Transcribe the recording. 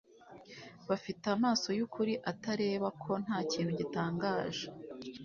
Bafite amaso yukuri atareba ko ntakintu gitangaje